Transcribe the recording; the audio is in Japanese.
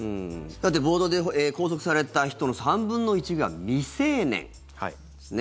暴動で拘束された人の３分の１が未成年なんですね。